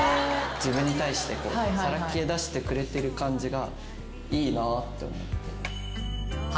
自分に対してさらけ出してくれてる感じがいいなぁって思って。